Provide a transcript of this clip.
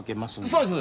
そうです